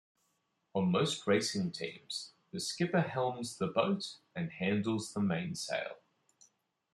On most racing teams, the skipper helms the boat and handles the mainsail.